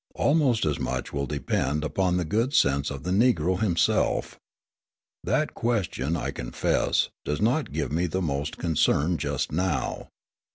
Almost as much will depend upon the good sense of the Negro himself. That question, I confess, does not give me the most concern just now.